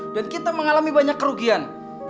dan kita mengalami banyak kerugian